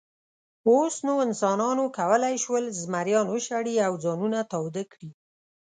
اوس نو انسانانو کولی شول، زمریان وشړي او ځانونه تاوده کړي.